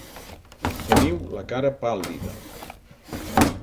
Teniu la cara pàl·lida.